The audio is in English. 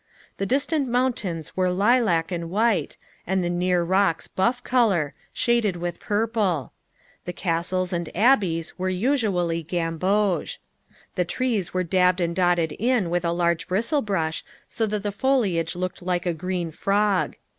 The distant mountains were lilac and white, and the near rocks buff color, shaded with purple. The castles and abbeys were usually gamboge. The trees were dabbed and dotted in with a large bristle brush, so that the foliage looked like a green frog.